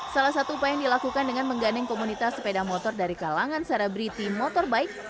salah satu upaya yang dilakukan dengan menggandeng komunitas sepeda motor dari kalangan selebriti motorbike